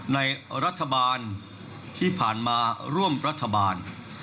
ในรัฐบาลที่ผ่านมาร่วมรัฐบาล